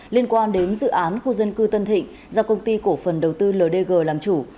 liên quan đến dự án khu dân cư tân thịnh do công ty cổ phần đầu tư ldg làm chủ